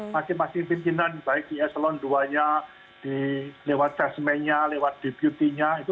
masih masih pimpinan baik di eselon dua nya lewat tesmennya lewat deputinya